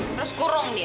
terus kurung dia